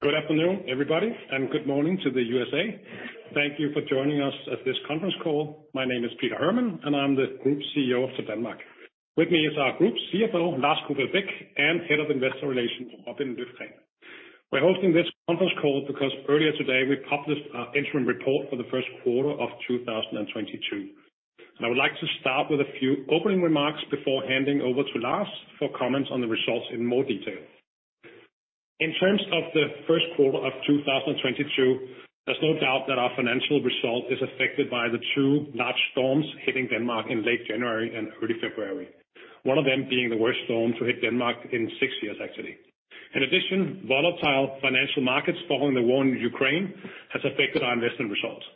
Good afternoon, everybody, and good morning to the USA. Thank you for joining us at this conference call. My name is Peter Hermann, and I'm the Group CEO of Topdanmark. With me is our Group CFO, Lars Kufall Beck, and Head of Investor Relations, Robin Løfgren. We're hosting this conference call because earlier today we published our interim report for the first quarter of 2022. I would like to start with a few opening remarks before handing over to Lars for comments on the results in more detail. In terms of the first quarter of 2022, there's no doubt that our financial result is affected by the two large storms hitting Denmark in late January and early February. One of them being the worst storm to hit Denmark in six years, actually. In addition, volatile financial markets following the war in Ukraine has affected our investment results.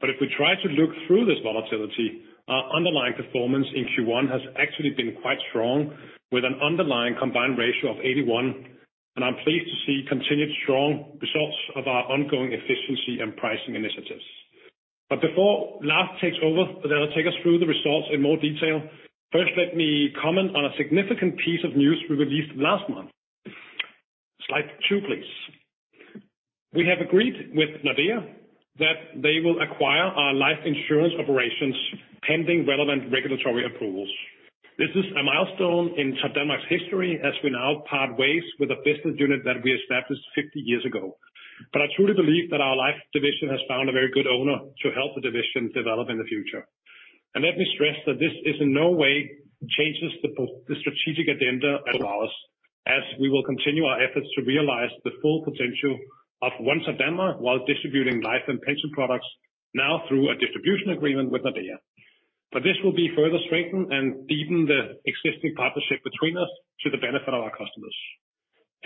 If we try to look through this volatility, our underlying performance in Q1 has actually been quite strong, with an underlying combined ratio of 81%, and I'm pleased to see continued strong results of our ongoing efficiency and pricing initiatives. Before Lars takes over, that'll take us through the results in more detail, first, let me comment on a significant piece of news we released last month. Slide two, please. We have agreed with Nordea that they will acquire our life insurance operations pending relevant regulatory approvals. This is a milestone in Topdanmark's history as we now part ways with a business unit that we established 50 years ago. I truly believe that our life division has found a very good owner to help the division develop in the future. Let me stress that this is in no way changes the strategic agenda at ours, as we will continue our efforts to realize the full potential of One Topdanmark while distributing life and pension products now through a distribution agreement with Nordea. This will be further strengthened and deepen the existing partnership between us to the benefit of our customers.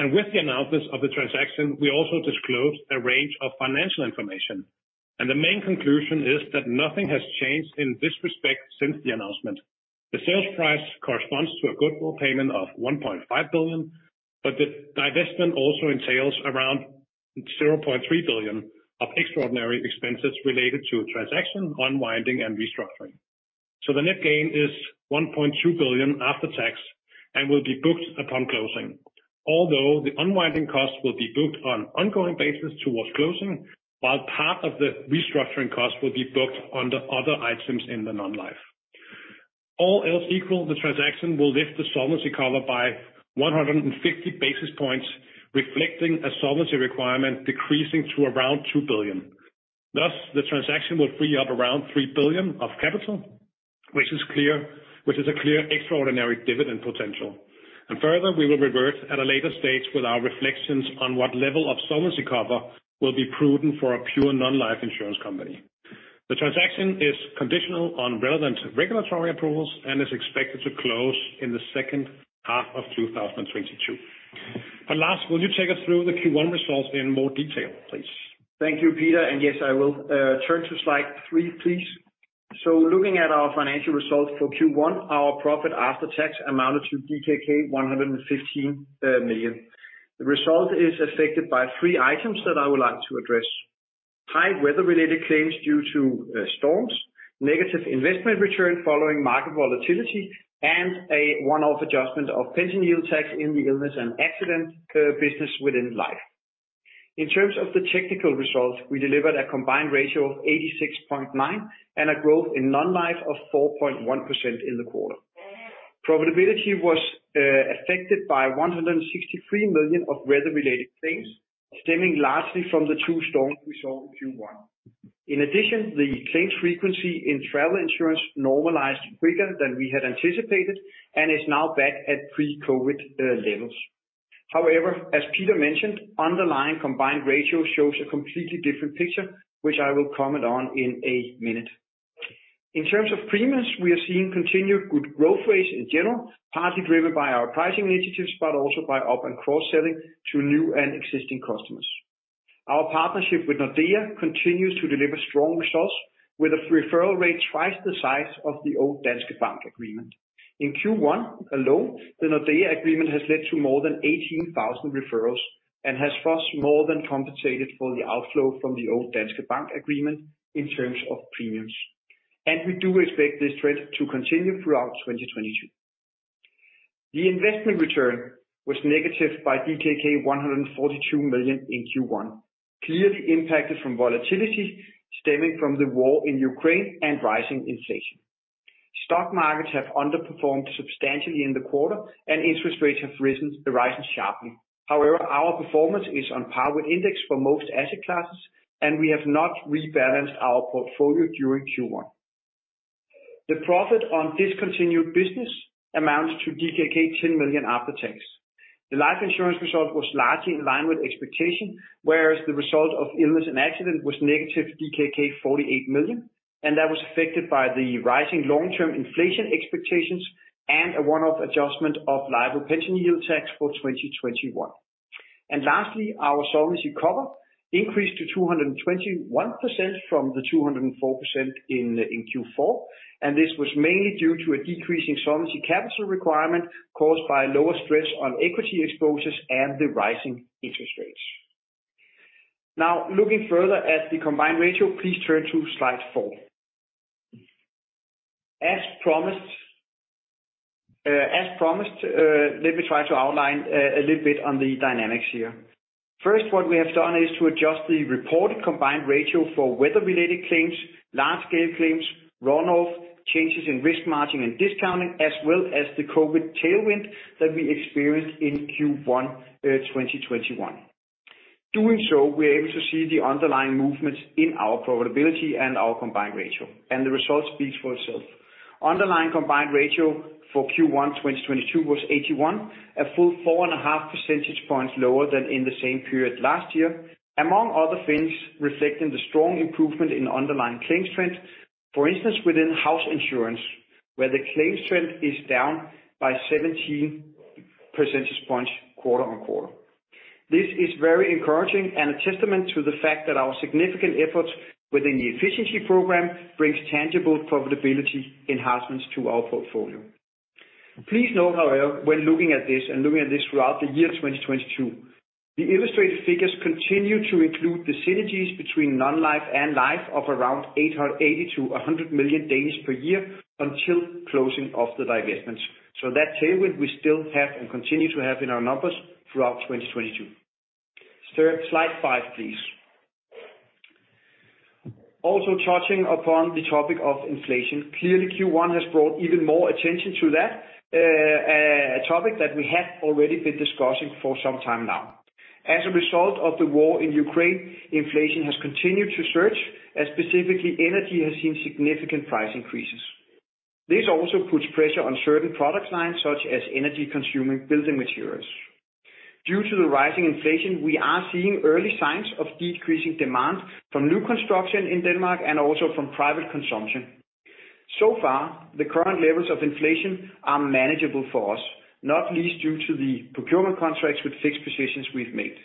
With the analysis of the transaction, we also disclosed a range of financial information. The main conclusion is that nothing has changed in this respect since the announcement. The sales price corresponds to a goodwill payment of 1.5 billion, but the divestment also entails around 0.3 billion of extraordinary expenses related to a transaction, unwinding, and restructuring. The net gain is 1.2 billion after tax and will be booked upon closing. Although the unwinding costs will be booked on ongoing basis towards closing, while part of the restructuring costs will be booked under other items in the non-life. All else equal, the transaction will lift the solvency cover by 150 basis points, reflecting a solvency requirement decreasing to around 2 billion. Thus, the transaction will free up around 3 billion of capital, which is a clear extraordinary dividend potential. Further, we will revert at a later stage with our reflections on what level of solvency cover will be prudent for a pure non-life insurance company. The transaction is conditional on relevant regulatory approvals and is expected to close in the second half of 2022. Lars, will you take us through the Q1 results in more detail, please? Thank you, Peter. Yes, I will. Turn to slide three, please. Looking at our financial results for Q1, our profit after tax amounted to DKK 115 million. The result is affected by three items that I would like to address. High weather-related claims due to storms, negative investment return following market volatility, and a one-off adjustment of pension yield tax in the illness and accident business within life. In terms of the technical results, we delivered a combined ratio of 86.9% and a growth in non-life of 4.1% in the quarter. Profitability was affected by 163 million of weather-related claims, stemming largely from the two storms we saw in Q1. In addition, the claim frequency in travel insurance normalized quicker than we had anticipated and is now back at pre-COVID levels. However, as Peter mentioned, underlying combined ratio shows a completely different picture, which I will comment on in a minute. In terms of premiums, we are seeing continued good growth rates in general, partly driven by our pricing initiatives, but also by up- and cross-selling to new and existing customers. Our partnership with Nordea continues to deliver strong results with a referral rate twice the size of the old Danske Bank agreement. In Q1 alone, the Nordea agreement has led to more than 18,000 referrals and has thus more than compensated for the outflow from the old Danske Bank agreement in terms of premiums. We do expect this trend to continue throughout 2022. The investment return was negative by DKK 142 million in Q1, clearly impacted from volatility stemming from the war in Ukraine and rising inflation. Stock markets have underperformed substantially in the quarter, and interest rates have risen sharply. However, our performance is on par with index for most asset classes, and we have not rebalanced our portfolio during Q1. The profit on discontinued business amounts to DKK 10 million after tax. The life insurance result was largely in line with expectation, whereas the result of illness and accident was -48 million DKK, and that was affected by the rising long-term inflation expectations and a one-off adjustment of liable pension yield tax for 2021. Lastly, our solvency cover increased to 221% from the 204% in Q4, and this was mainly due to a decrease in Solvency Capital Requirement caused by lower stress on equity exposures and the rising interest rates. Now, looking further at the combined ratio, please turn to slide four. As promised, let me try to outline a little bit on the dynamics here. First, what we have done is to adjust the reported combined ratio for weather related claims, large scale claims, runoff, changes in risk margin and discounting, as well as the COVID tailwind that we experienced in Q1 2021. Doing so, we are able to see the underlying movements in our profitability and our combined ratio, and the result speaks for itself. Underlying combined ratio for Q1 2022 was 81%, a full 4.5 percentage points lower than in the same period last year. Among other things, reflecting the strong improvement in underlying claims trends, for instance, within house insurance, where the claims trend is down by 17 percentage points quarter-on-quarter. This is very encouraging and a testament to the fact that our significant efforts within the efficiency program brings tangible profitability enhancements to our portfolio. Please note, however, when looking at this and looking at this throughout the year 2022, the illustrated figures continue to include the synergies between non-life and life of around 80 million-100 million per year until closing of the divestments. That tailwind we still have and continue to have in our numbers throughout 2022. Sir, slide five, please. Also touching upon the topic of inflation. Clearly, Q1 has brought even more attention to that topic that we have already been discussing for some time now. As a result of the war in Ukraine, inflation has continued to surge, as specifically energy has seen significant price increases. This also puts pressure on certain product lines, such as energy consuming building materials. Due to the rising inflation, we are seeing early signs of decreasing demand from new construction in Denmark and also from private consumption. So far, the current levels of inflation are manageable for us, not least due to the procurement contracts with fixed positions we've made.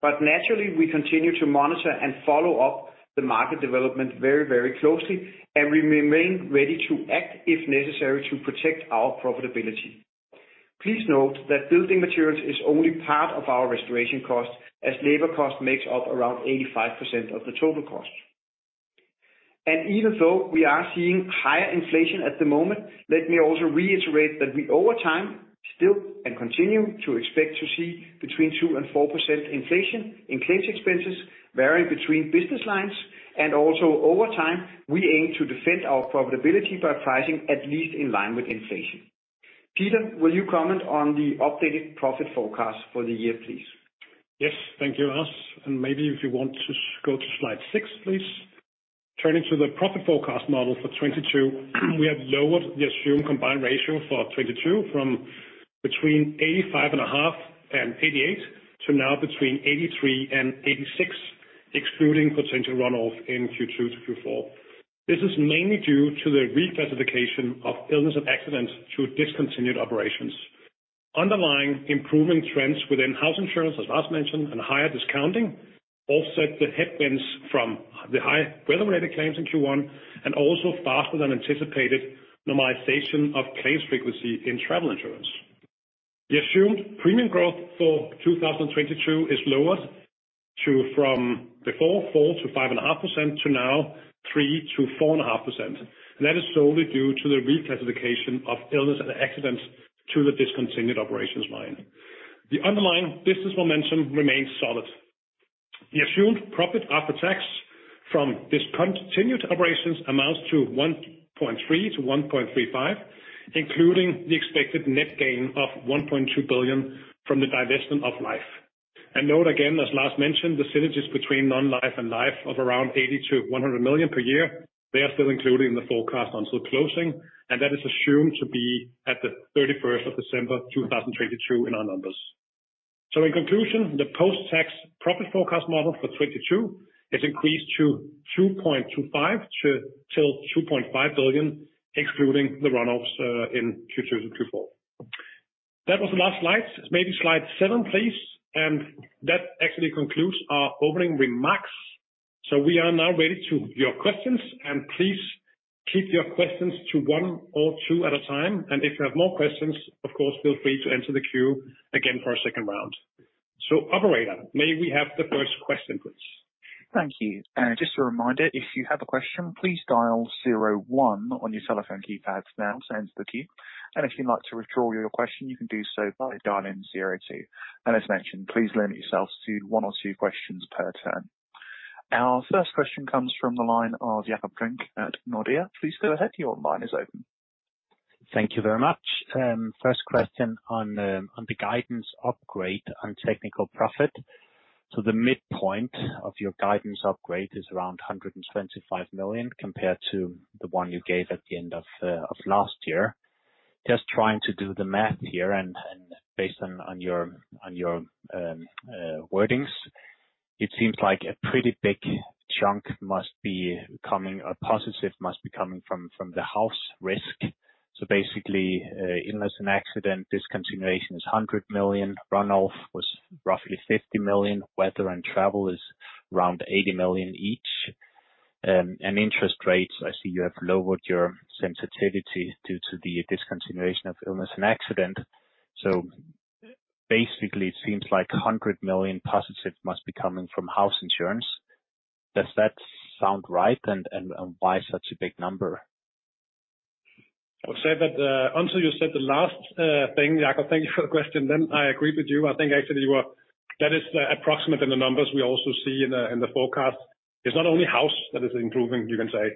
But naturally, we continue to monitor and follow up the market development very, very closely, and we remain ready to act if necessary to protect our profitability. Please note that building materials is only part of our restoration cost as labor cost makes up around 85% of the total cost. Even though we are seeing higher inflation at the moment, let me also reiterate that we over time still and continue to expect to see between 2%-4% inflation in claims expenses varying between business lines. Also over time, we aim to defend our profitability by pricing at least in line with inflation. Peter, will you comment on the updated profit forecast for the year, please? Yes. Thank you, Lars. Maybe if you want to go to slide six, please. Turning to the profit forecast model for 2022, we have lowered the assumed combined ratio for 2022 from between 85.5% and 88% to now between 83% and 86%, excluding potential runoff in Q2 to Q4. This is mainly due to the reclassification of illness and accident to discontinued operations. Underlying improvement trends within house insurance, as Lars mentioned, and higher discounting offset the headwinds from the high weather related claims in Q1 and also faster than anticipated normalization of claims frequency in travel insurance. The assumed premium growth for 2022 is lowered to from before 4%-5.5% to now 3%-4.5%. That is solely due to the reclassification of illness and accident to the discontinued operations line. The underlying business momentum remains solid. The assumed profit after tax from discontinued operations amounts to 1.3 billion-1.35 billion, including the expected net gain of 1.2 billion from the divestment of life. Note again, as Lars mentioned, the synergies between non-life and life of around 80 million-100 million per year, they are still included in the forecast until closing, and that is assumed to be at the 31st of December 2022 in our numbers. In conclusion, the post-tax profit forecast model for 2022 is increased to 2.25 billion-2.5 billion excluding the runoffs in Q2 to Q4. That was the last slide. Maybe slide seven, please. That actually concludes our opening remarks. We are now ready for your questions. Please keep your questions to one or two at a time. If you have more questions, of course, feel free to enter the queue again for a second round. Operator, may we have the first question, please? Thank you. Just a reminder, if you have a question, please dial zero one on your telephone keypads now to enter the queue. If you'd like to withdraw your question, you can do so by dialing zero two. As mentioned, please limit yourself to one or two questions per turn. Our first question comes from the line of Jakob Brink at Nordea. Please go ahead. Your line is open. Thank you very much. First question on the guidance upgrade on technical profit. The midpoint of your guidance upgrade is around 125 million compared to the one you gave at the end of last year. Just trying to do the math here and based on your wordings, it seems like a pretty big chunk must be coming or positive must be coming from the household risk. Basically, illness and accident discontinuation is 100 million. Runoff was roughly 50 million. Weather and travel is around 80 million each. Interest rates, I see you have lowered your sensitivity due to the discontinuation of illness and accident. Basically, it seems like 100 million positive must be coming from house insurance. Does that sound right? Why such a big number? I would say that, until you said the last thing, Jakob, thank you for the question then. I agree with you. I think actually that is approximately in the numbers we also see in the forecast. It's not only house that is improving, you can say.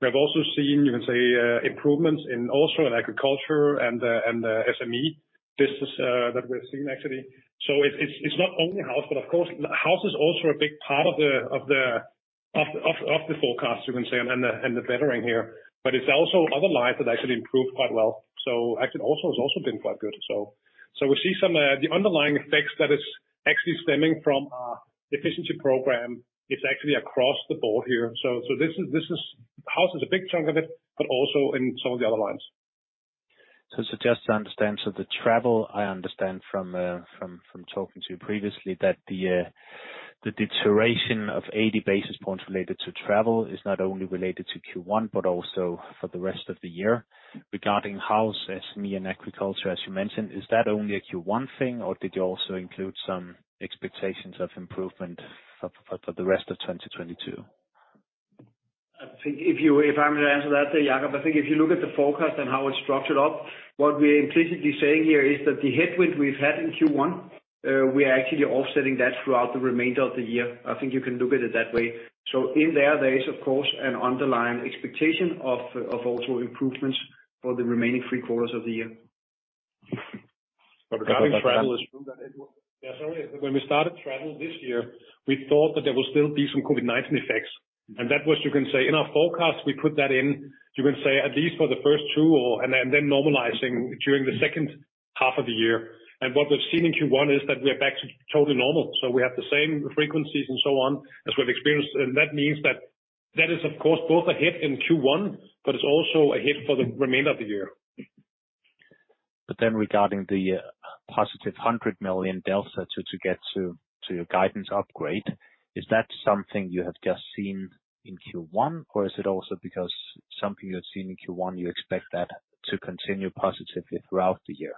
We have also seen, you can say, improvements also in agriculture and the SME business that we're seeing actually. It's not only house, but of course, house is also a big part of the forecast, you can say, and the bettering here. It's also other lines that actually improved quite well. Actually also has also been quite good. We see some the underlying effects that is actually stemming from our efficiency program. It's actually across the board here. House is a big chunk of it, but also in some of the other lines. Just to understand. The travel, I understand from talking to you previously that the deterioration of 80 basis points related to travel is not only related to Q1 but also for the rest of the year. Regarding house, SME, and agriculture, as you mentioned, is that only a Q1 thing, or did you also include some expectations of improvement for the rest of 2022? I think if I may answer that, Jakob, I think if you look at the forecast and how it's structured up, what we're implicitly saying here is that the headwind we've had in Q1, we are actually offsetting that throughout the remainder of the year. I think you can look at it that way. In there is of course an underlying expectation of also improvements for the remaining three quarters of the year. Regarding travel. Yeah, sorry. When we started travel this year, we thought that there will still be some COVID-19 effects. That was, you can say, in our forecast, we put that in, you can say, at least for the first two and then normalizing during the second half of the year. What we've seen in Q1 is that we are back to totally normal. We have the same frequencies and so on as we've experienced. That means that is, of course, both a hit in Q1, but it's also a hit for the remainder of the year. Regarding the positive 100 million delta to get to your guidance upgrade, is that something you have just seen in Q1, or is it also because something you had seen in Q1, you expect that to continue positively throughout the year?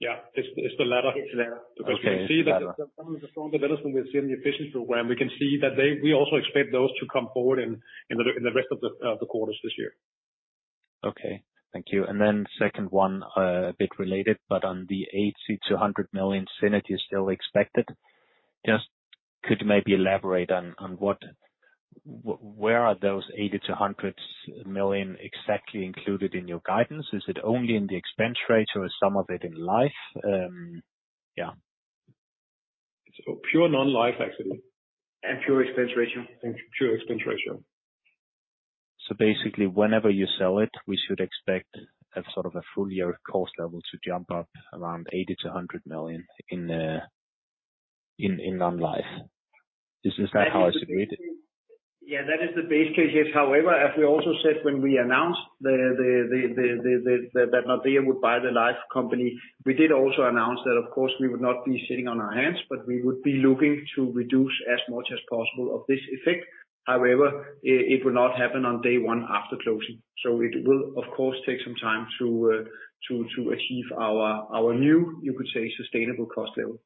Yeah. It's the latter. It's the latter. Okay. It's the latter. Because we see that some of the strong development we've seen in the efficiency program, we can see that we also expect those to come forward in the rest of the quarters this year. Okay. Thank you. Then second one, a bit related, but on the 80 million-100 million synergies still expected. Just could you maybe elaborate on where are those 80 million-100 million exactly included in your guidance? Is it only in the expense ratio or some of it in life? Yeah. It's pure non-life, actually. Pure expense ratio. Pure expense ratio. Basically, whenever you sell it, we should expect a sort of a full year cost level to jump up around 80 million-100 million in non-life. Is this not how I should read it? Yeah, that is the base case. Yes. However, as we also said when we announced that Nordea would buy the life company, we did also announce that, of course, we would not be sitting on our hands, but we would be looking to reduce as much as possible of this effect. However, it will not happen on day one after closing. It will, of course, take some time to achieve our new, you could say, sustainable cost level.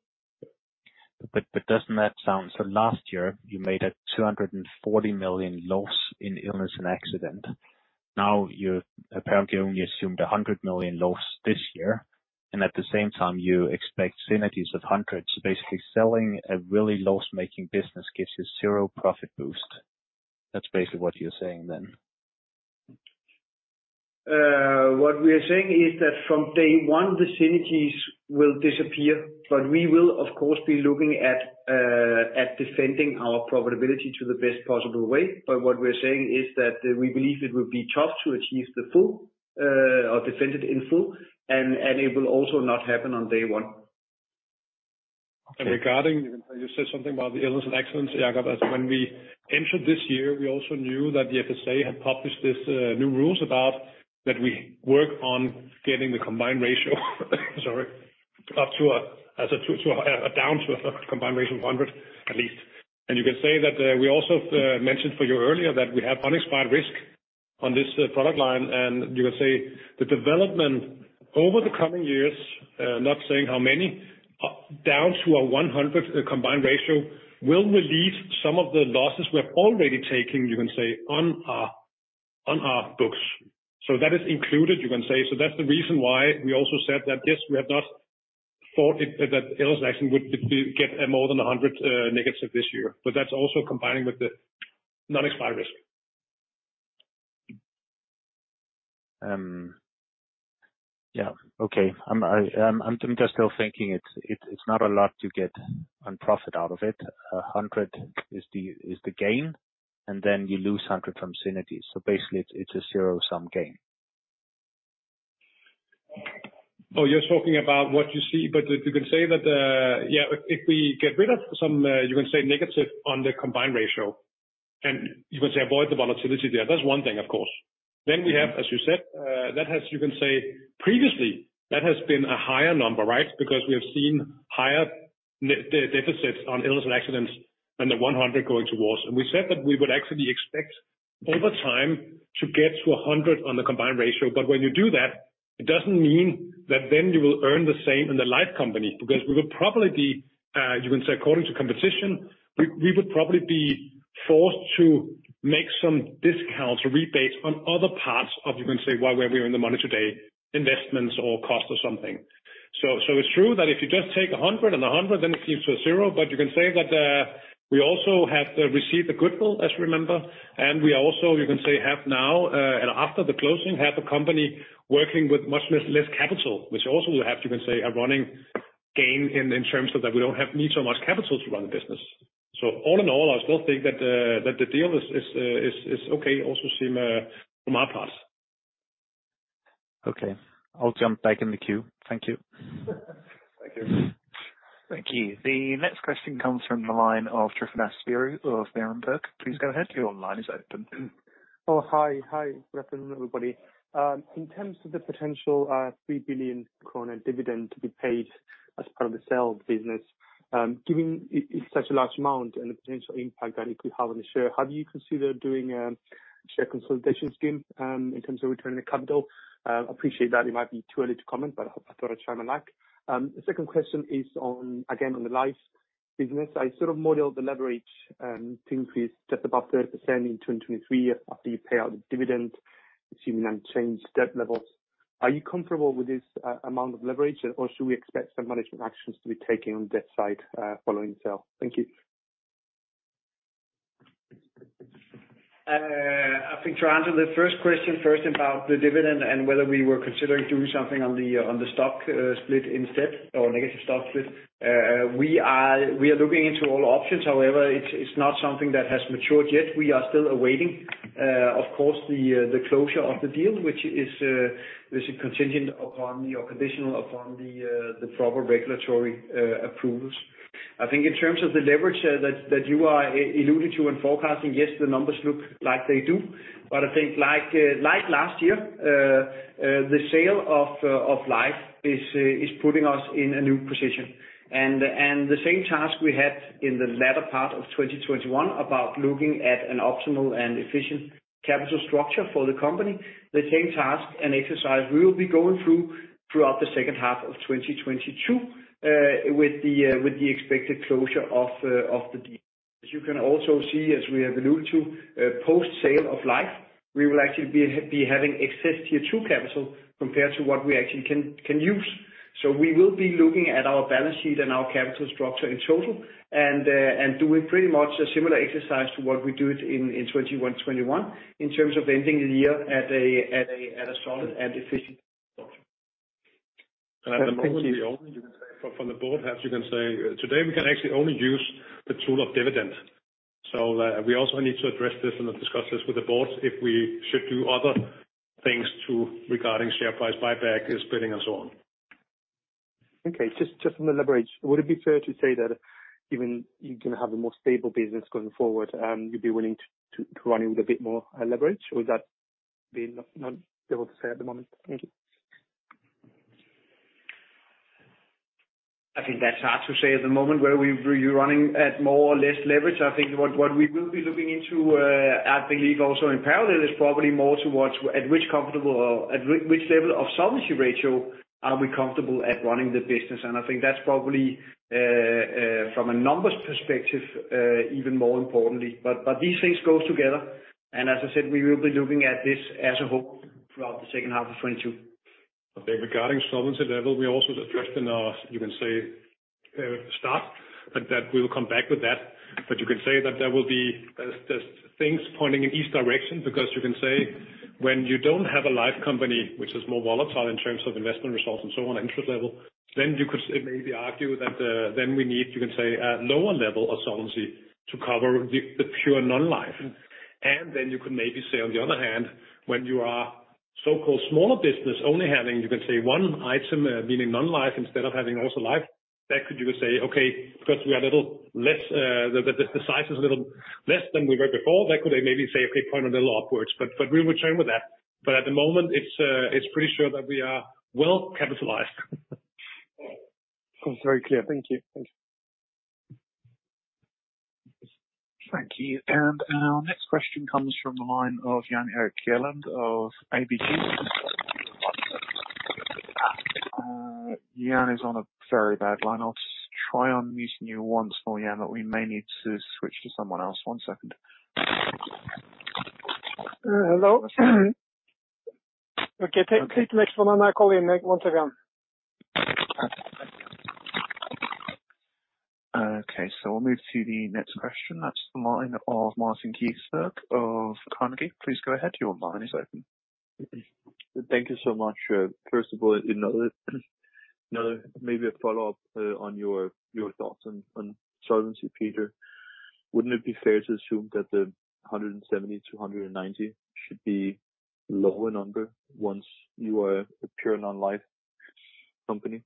Doesn't that sound? Last year, you made a 240 million loss in illness and accident. Now you've apparently only assumed a 100 million loss this year, and at the same time you expect synergies of hundreds. Basically, selling a really loss-making business gives you zero profit boost. That's basically what you're saying then. What we are saying is that from day one, the synergies will disappear, but we will, of course, be looking at defending our profitability to the best possible way. What we're saying is that we believe it will be tough to achieve the full or defend it in full, and it will also not happen on day one. Okay. Regarding, you said something about the illness and accident, Jakob. When we entered this year, we also knew that the FSA had published this new rules about that we work on getting the combined ratio down to a combined ratio of 100% at least. You can say that we also mentioned for you earlier that we have unexpired risk on this product line. You can say the development over the coming years, not saying how many, down to a 100% combined ratio will release some of the losses we're already taking, you can say, on our books. That is included, you can say. That's the reason why we also said that yes, we have not thought it that illness and accident would be, get more than 100 negative this year. That's also combining with the unexpired risk. I'm just still thinking it's not a lot to get on profit out of it. 100 million is the gain, and then you lose 100 million from synergies. Basically, it's a zero-sum game. Oh, you're talking about what you see, but you can say that, yeah, if we get rid of some, you can say negative on the combined ratio, and you can say avoid the volatility there. That's one thing, of course. Then we have, as you said, that has, you can say previously, that has been a higher number, right? Because we have seen higher, the deficits on illness and accidents than the 100% going towards. We said that we would actually expect over time to get to 100% on the combined ratio. When you do that, it doesn't mean that then you will earn the same in the life company, because we would probably be, you can say, according to competition, forced to make some discounts or rebates on other parts of, you can say, while we are in the money today, investments or cost or something. It's true that if you just take 100 million and 100 million, then it comes to zero, but you can say that we also have to receive the goodwill, as you remember. We also, you can say, now after the closing have a company working with much less capital, which also will have, you can say, a running gain in terms of that we don't need so much capital to run the business. All in all, I still think that the deal is okay, also seem from our part. Okay. I'll jump back in the queue. Thank you. Thank you. Thank you. The next question comes from the line of Tryfonas Spyrou of Berenberg. Please go ahead. Your line is open. Oh, hi. Hi. Good afternoon, everybody. In terms of the potential 3 billion kroner dividend to be paid as part of the sale of the business, given it's such a large amount and the potential impact that it could have on the share, have you considered doing share consolidation scheme in terms of returning the capital? Appreciate that it might be too early to comment, but I thought I'd try my luck. The second question is on, again, on the life business. I sort of modeled the leverage to increase just about 30% in 2023 after you pay out the dividend, assuming unchanged debt levels. Are you comfortable with this amount of leverage, or should we expect some management actions to be taken on debt side following the sale? Thank you. I think to answer the first question first about the dividend and whether we were considering doing something on the stock split instead or negative stock split. We are looking into all options. However, it's not something that has matured yet. We are still awaiting, of course, the closure of the deal, which is conditional upon the proper regulatory approvals. I think in terms of the leverage that you alluded to in forecasting, yes, the numbers look like they do. I think like last year, the sale of Life is putting us in a new position. The same task we had in the latter part of 2021 about looking at an optimal and efficient capital structure for the company, the same task and exercise we will be going through throughout the second half of 2022, with the expected closure of the deal. As you can also see, as we have alluded to, post-sale of life, we will actually be having excess Tier 2 capital compared to what we actually can use. We will be looking at our balance sheet and our capital structure in total and doing pretty much a similar exercise to what we did it in 2021 in terms of ending the year at a solid and efficient structure. Thank you. From the board, perhaps you can say today we can actually only use the tool of dividend. We also need to address this and discuss this with the board if we should do other things too regarding share price buyback, splitting, and so on. Okay. Just on the leverage. Would it be fair to say that even you can have a more stable business going forward, you'd be willing to run it with a bit more leverage, or would that be not able to say at the moment? Thank you. I think that's hard to say at the moment whether we'll be running at more or less leverage. I think what we will be looking into, I believe also in parallel, is probably more towards at which comfortable or at which level of solvency ratio are we comfortable at running the business. I think that's probably from a numbers perspective even more importantly. These things go together, and as I said, we will be looking at this as a whole throughout the second half of 2022. Okay. Regarding solvency level, we also addressed in our, you can say, start, but that we will come back with that. You can say that there are things pointing in each direction because you can say when you don't have a life company which is more volatile in terms of investment results and so on, interest level, then you could maybe argue that we need a lower level of solvency to cover the pure non-life. Then you could maybe say on the other hand, when you are so-called smaller business, only having one item, meaning non-life, instead of having also life, that could, you say, okay, because we are a little less, the size is a little less than we were before, that could maybe point a little upwards. We return with that. At the moment it's pretty sure that we are well capitalized. Of course. Very clear. Thank you. Thank you. Thank you. Our next question comes from the line of Jan Erik Gjerland of ABG Sundal Collier. Jan is on a very bad line. I'll just try unmuting you once more, Jan, but we may need to switch to someone else. One second. Hello? Okay. Take the next one. I'll call in, like, once again. Okay. We'll move to the next question. That's the line of Martin Gregers Birk of Carnegie. Please go ahead. Your line is open. Thank you so much. First of all, you know, maybe a follow-up on your thoughts on solvency, Peter. Wouldn't it be fair to assume that the 170%-190% should be lower number once you are a pure non-life company?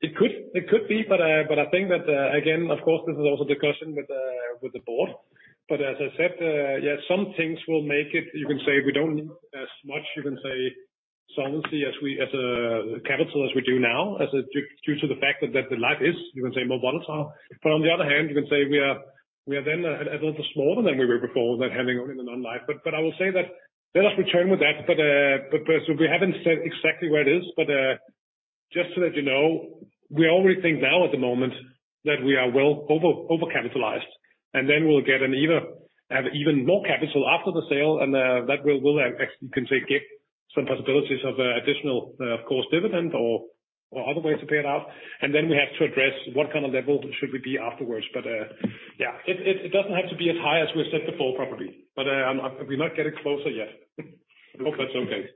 It could be, but I think that, again, of course, this is also a discussion with the board. As I said, some things will make it. You can say we don't need as much solvency capital as we do now, due to the fact that the life is more volatile. On the other hand, you can say we are then a little smaller than we were before that having in the non-life. I will say that there is return with that. We haven't said exactly where it is. Just to let you know, we already think now at the moment that we are well over-capitalized, and then we'll get even more capital after the sale, and that will actually, you can say, get some possibilities of additional, of course, dividend or other ways to pay it out. Then we have to address what kind of level should we be afterwards. Yeah, it doesn't have to be as high as we set before, probably. We're not getting closer yet. Hope that's okay.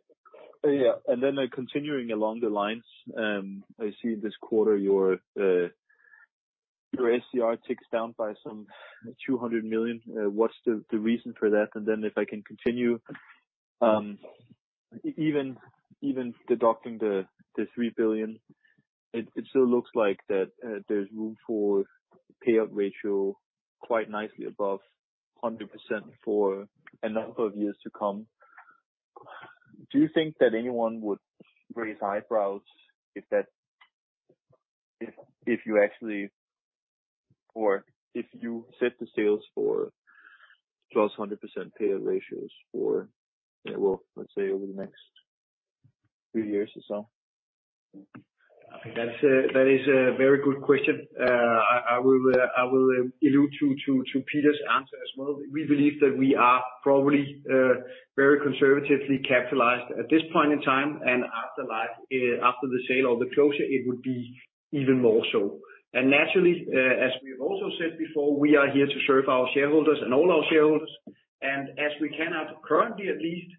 Continuing along the lines, I see this quarter your SCR ticks down by some 200 million. What's the reason for that? If I can continue, even deducting the 3 billion, it still looks like there's room for payout ratio quite nicely above 100% for a number of years to come. Do you think that anyone would raise eyebrows if you actually or if you set the sails for +100% payout ratios for, well, let's say, over the next few years or so? I think that's a very good question. I will allude to Peter's answer as well. We believe that we are probably very conservatively capitalized at this point in time. After the sale or the closure, it would be even more so. Naturally, as we have also said before, we are here to serve our shareholders and all our shareholders. As we cannot currently at least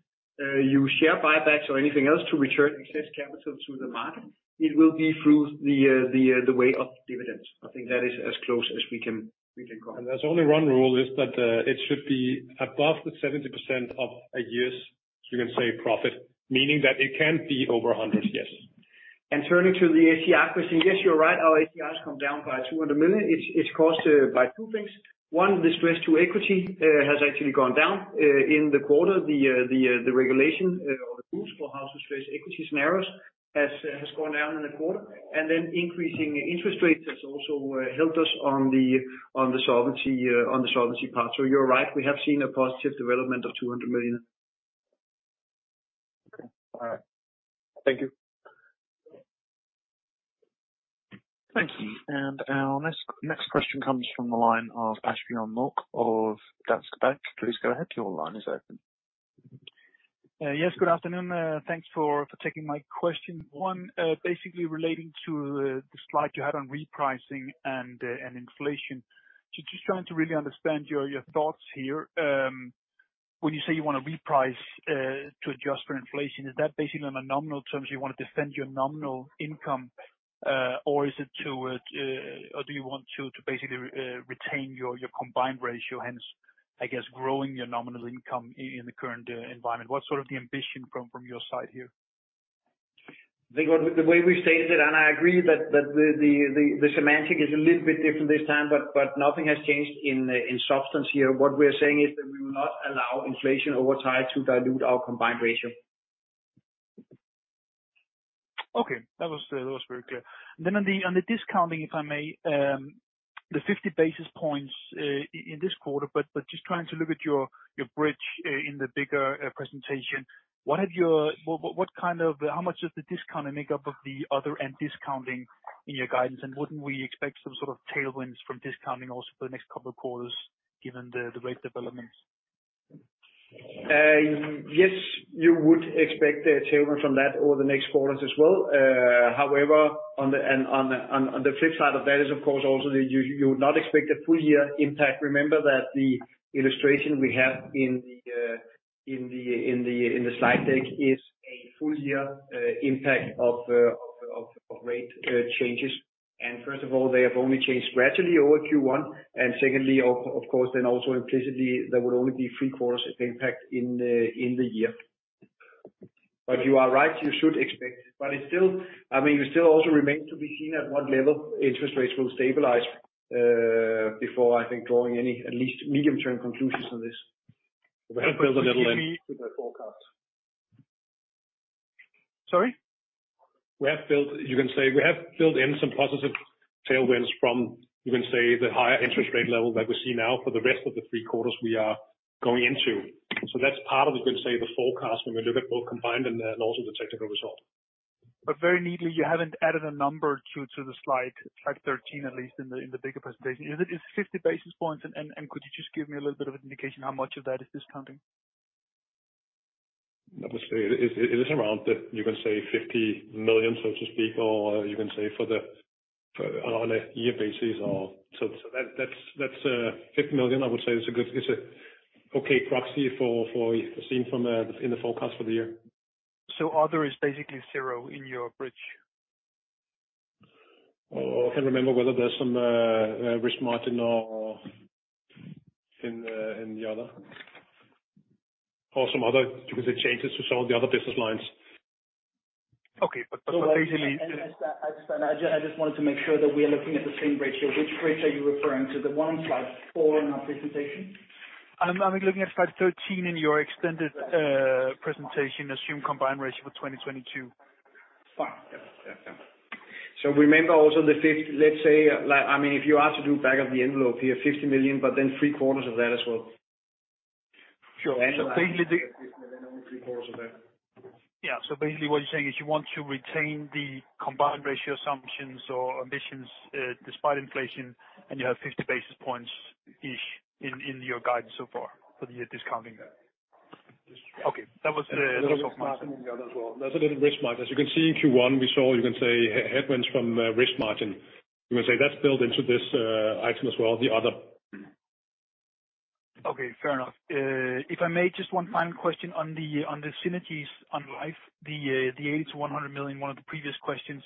use share buybacks or anything else to return excess capital to the market, it will be through the way of dividends. I think that is as close as we can come. There's only one rule is that it should be above 70% of a year's, you can say, profit. Meaning that it can be over 100%, yes. Turning to the SCR question, yes, you're right, our SCR has come down by 200 million. It's caused by two things. One, the stress to equity has actually gone down in the quarter. The regulation or the rules for how to stress equities has gone down in the quarter. Then increasing interest rates has also helped us on the solvency part. You're right, we have seen a positive development of 200 million. Okay. All right. Thank you. Thank you. Our next question comes from the line of Asbjørn Mørk of Danske Bank. Please go ahead. Your line is open. Yes. Good afternoon. Thanks for taking my question. One basically relating to the slide you had on repricing and inflation. Just trying to really understand your thoughts here. When you say you wanna reprice to adjust for inflation, is that basically in nominal terms you wanna defend your nominal income? Or do you want to basically retain your combined ratio, hence, I guess, growing your nominal income in the current environment? What's sort of the ambition from your side here? The way we stated it, and I agree that the semantics is a little bit different this time, but nothing has changed in substance here. What we are saying is that we will not allow inflation over time to dilute our combined ratio. Okay. That was very clear. On the discounting, if I may, the 50 basis points in this quarter, but just trying to look at your bridge in the bigger presentation, how much does the discounting make up of the other, and discounting in your guidance? Wouldn't we expect some sort of tailwinds from discounting also for the next couple of quarters given the rate developments? Yes, you would expect a tailwind from that over the next quarters as well. However, on the flip side of that is of course also that you would not expect a full year impact. Remember that the illustration we have in the slide deck is a full year impact of rate changes. First of all, they have only changed gradually over Q1. Secondly, of course, then also implicitly there would only be three quarters of impact in the year. You are right, you should expect. It's still I mean, it still also remains to be seen at what level interest rates will stabilize before I think drawing any, at least medium term conclusions on this. We have built a little. Excuse me. to the forecast. Sorry? You can say we have built in some positive tailwinds from, you can say, the higher interest rate level that we see now for the rest of the three quarters we are going into. That's part of, we can say, the forecast when we look at both combined and then also the technical result. Very neatly, you haven't added a number to the slide 13, at least in the bigger presentation. Is it's 50 basis points? Could you just give me a little bit of an indication how much of that is discounting? Let me say it is around the DKK 50 million, you can say, so to speak, or you can say on a yearly basis. That's 50 million. I would say it's an okay proxy for as seen in the forecast for the year. Other is basically zero in your bridge? Oh, I can't remember whether there's some risk margin or in the other. Some other, you can say, changes to some of the other business lines. Okay. Basically. I just wanted to make sure that we are looking at the same ratio. Which ratio are you referring to? The one on slide four in our presentation? I'm looking at slide 13 in your extended presentation, assumed combined ratio for 2022. Fine. Yeah. Yeah. Remember also let's say, like, I mean, if you ask to do back of the envelope here, 50 million, but then three-quarters of that as well. Sure. Basically Only three-quarters of that. Yeah. Basically what you're saying is you want to retain the combined ratio assumptions or ambitions, in spite of inflation, and you have 50 basis points-ish in your guidance so far for the discounting there. Okay. That was the- There's a little risk margin in the other as well. As you can see in Q1, we saw, you can say, headwinds from risk margin. You can say that's built into this item as well, the other. Okay, fair enough. If I may, just one final question on the synergies on Life, the 80 million-100 million, one of the previous questions.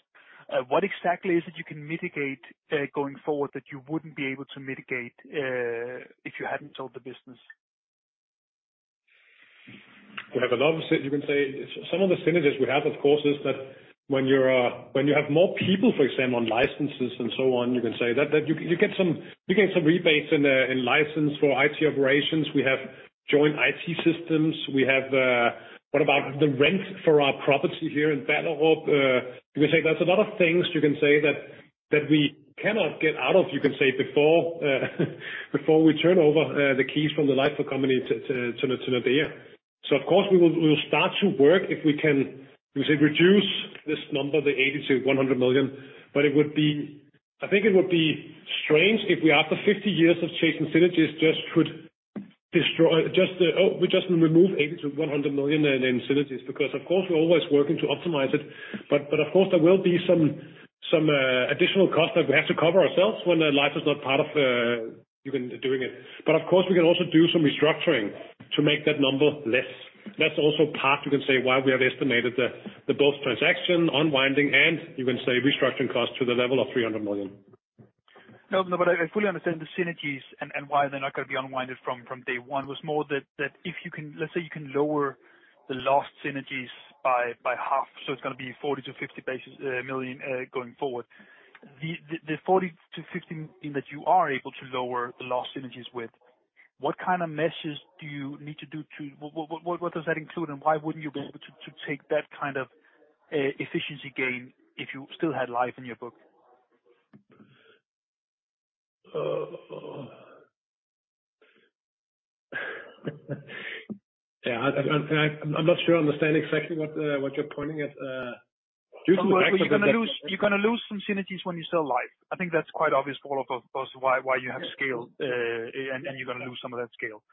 What exactly is it you can mitigate going forward that you wouldn't be able to mitigate if you hadn't sold the business? You can say some of the synergies we have, of course, is that when you have more people, for example, on licenses and so on, you can say that you get some rebates in license for IT operations. We have joint IT systems. What about the rent for our property here in Ballerup? You can say there's a lot of things you can say that we cannot get out of, you can say, before we turn over the keys from the Life company to Nordea. Of course, we will start to work if we can, you can say, reduce this number, the 80 million-100 million. I think it would be strange if we, after 50 years of chasing synergies, we just remove 80 million-100 million in synergies. Because of course, we're always working to optimize it. Of course, there will be some additional cost that we have to cover ourselves when the Life is not part of, you know, doing it. Of course, we can also do some restructuring to make that number less. That's also part, you can say, why we have estimated both transaction unwinding and you can say restructuring costs to the level of 300 million. No, but I fully understand the synergies and why they're not gonna be unwound from day one. It was more that let's say you can lower the lost synergies by half, so it's gonna be 40 million-50 million going forward. The 40 million-50 million that you are able to lower the lost synergies with, what kind of measures do you need to do? What does that include, and why wouldn't you be able to take that kind of efficiency gain if you still had Life in your book? Yeah, I'm not sure I understand exactly what you're pointing at. You're gonna lose some synergies when you sell Life. I think that's quite obvious for a lot of us why you have scale, and you're gonna lose some of that scale.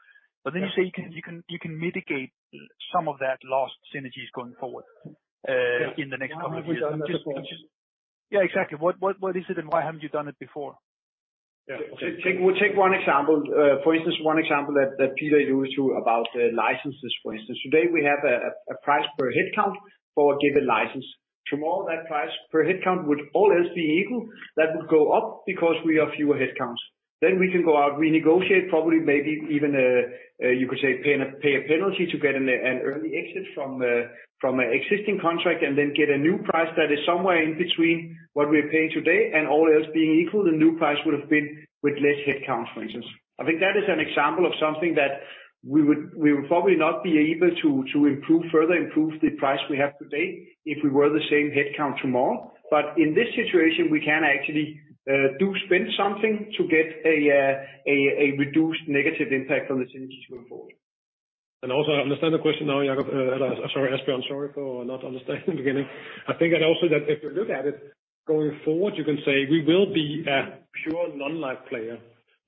You say you can mitigate some of that lost synergies going forward, in the next couple of years. Why haven't we done that before? Yeah, exactly. What is it, and why haven't you done it before? Yeah. We'll take one example. For instance, one example that Peter alluded to about the licenses, for instance. Today we have a price per headcount for a given license. Tomorrow that price per headcount would all else be equal. That would go up because we have fewer headcounts. We can go out, renegotiate, probably maybe even you could say pay a penalty to get an early exit from an existing contract and then get a new price that is somewhere in between what we are paying today and all else being equal, the new price would have been with less headcount, for instance. I think that is an example of something that we would probably not be able to improve further the price we have today if we were the same headcount tomorrow. In this situation, we can actually do spend something to get a reduced negative impact on the synergies going forward. I understand the question now, Jakob. Sorry, Asbjørn. Sorry for not understanding in the beginning. I think and also that if you look at it going forward, you can say we will be a pure non-life player.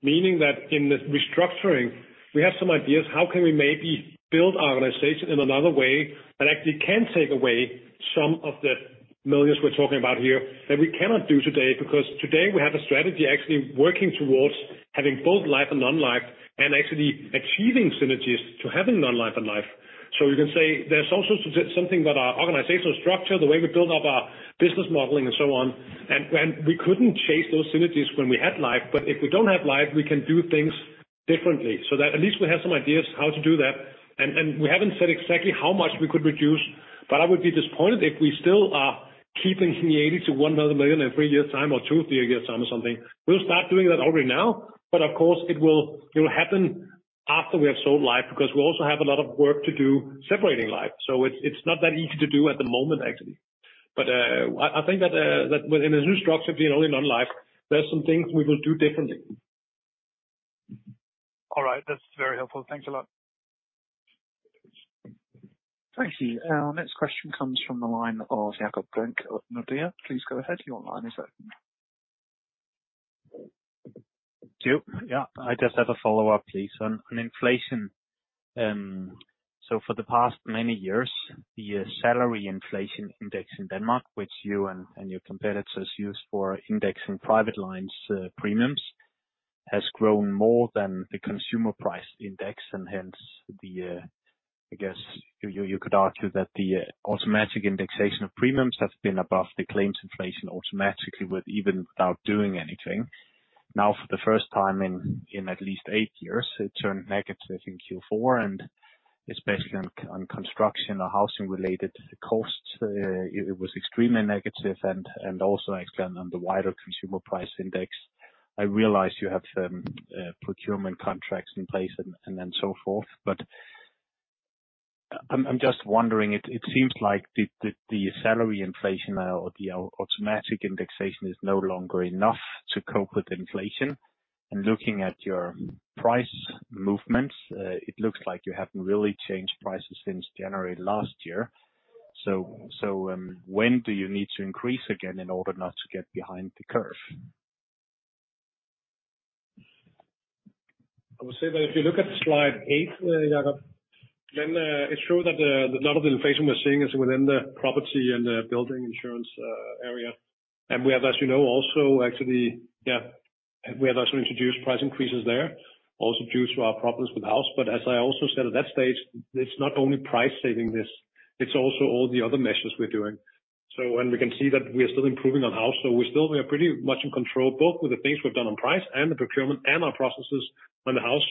Meaning that in the restructuring, we have some ideas how can we maybe build our organization in another way that actually can take away some of the millions we're talking about here that we cannot do today. Today we have a strategy actually working towards having both life and non-life and actually achieving synergies to having non-life and life. You can say there's also something about our organizational structure, the way we build up our business modeling and so on. We couldn't chase those synergies when we had Life, but if we don't have Life, we can do things differently. That at least we have some ideas how to do that. We haven't said exactly how much we could reduce, but I would be disappointed if we still are keeping the 80 million-100 million in three years' time or two to three years' time or something. We'll start doing that already now, but of course it will happen after we have sold Life because we also have a lot of work to do separating Life. It's not that easy to do at the moment actually. I think that in the new structure being only non-Life, there's some things we will do differently. All right. That's very helpful. Thanks a lot. Thank you. Our next question comes from the line of Jakob Brink of Nordea. Please go ahead. Your line is open. Thank you. Yeah, I just have a follow-up, please, on inflation. So for the past many years, the salary inflation index in Denmark, which you and your competitors use for indexing private lines premiums, has grown more than the consumer price index. Hence, I guess you could argue that the automatic indexation of premiums has been above the claims inflation automatically, even without doing anything. Now for the first time in at least eight years, it turned negative in Q4, and especially on construction or housing related costs. It was extremely negative and also I understand on the wider consumer price index. I realize you have certain procurement contracts in place and then so forth. I'm just wondering. It seems like the salary inflation or the automatic indexation is no longer enough to cope with inflation. Looking at your price movements, it looks like you haven't really changed prices since January last year. When do you need to increase again in order not to get behind the curve? I would say that if you look at slide eight, Jakob, then it shows that a lot of the inflation we're seeing is within the property and the building insurance area. We have, as you know, also actually introduced price increases there, also due to our problems with house. As I also said at that stage, it's not only price saving this, it's also all the other measures we're doing. When we can see that we are still improving on house, we are pretty much in control, both with the things we've done on price and the procurement and our processes on the house.